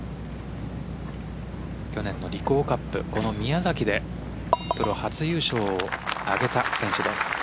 去年のリコーカップこの宮崎でプロ初優勝を挙げた選手です。